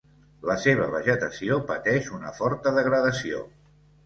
La seva vegetació pateix una forta degradació.